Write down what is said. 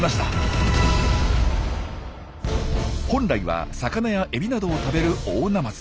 本来は魚やエビなどを食べるオオナマズ。